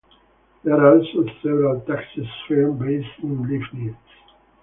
There are also several taxi firms based in Leibnitz.